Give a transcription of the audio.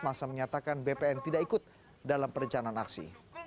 masa menyatakan bpn tidak ikut dalam perencanaan aksi